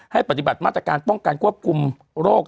ปฏิบัติมาตรการป้องกันควบคุมโรค